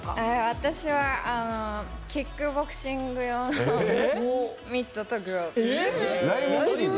私はキックボクシング用のミットとグローブ。